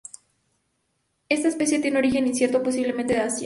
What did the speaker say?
Esta especie tiene origen incierto, posiblemente de Asia.